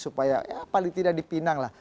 supaya paling tidak dipinang lah